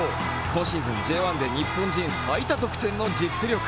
今シーズンＪ１で日本人最多得点の実力。